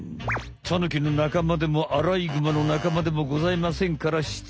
タヌキのなかまでもアライグマのなかまでもございませんからして。